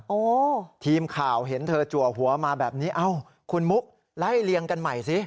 โอ้โหทีมข่าวเห็นเธอจัวหัวมาแบบนี้เอ้าคุณมุกไล่เลียงกันใหม่สิ